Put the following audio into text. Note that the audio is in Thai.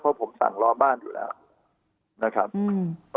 เพราะผมสั่งรอบ้านอยู่แล้ว